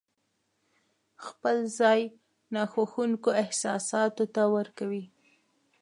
خپل ځای ناخوښونکو احساساتو ته ورکوي.